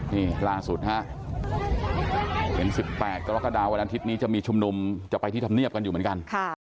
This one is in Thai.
นี่ล่าสุดฮะเห็น๑๘กรกฎาวันอาทิตย์นี้จะมีชุมนุมจะไปที่ธรรมเนียบกันอยู่เหมือนกัน